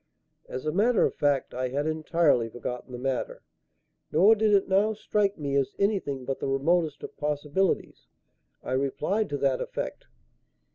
As a matter of fact I had entirely forgotten the matter, nor did it now strike me as anything but the remotest of possibilities. I replied to that effect.